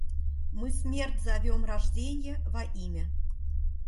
Мы смерть зовем рожденья во имя.